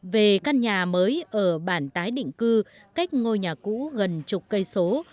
về căn nhà mới ở bản tái định cư cách ngôi nhà cũ gần chục cây số